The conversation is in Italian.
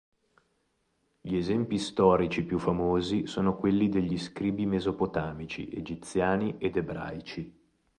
Gli esempi storici più famosi sono quelli degli scribi mesopotamici, egiziani ed ebraici.